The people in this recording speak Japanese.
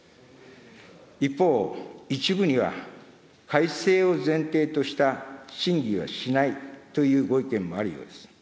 一方、一部には、改正を前提とした審議はしないというご意見もあるようです。